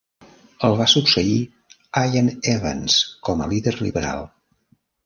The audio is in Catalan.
El va succeir Iain Evans com a líder liberal.